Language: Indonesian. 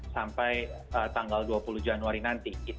sampai tanggal dua puluh januari nanti